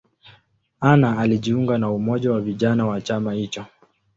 Anna alijiunga na umoja wa vijana wa chama hicho.